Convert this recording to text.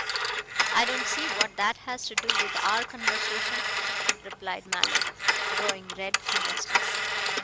"I don't see what that has to do with our conversation," replied Mallow, growing red and restless.